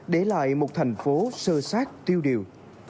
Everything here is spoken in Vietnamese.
để lại một thành phố sơ sát tiêu điều